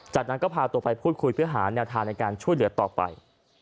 จากนั้นก็พาตัวไปพูดคุยเพื่อหาแนวทางในการช่วยเหลือต่อไป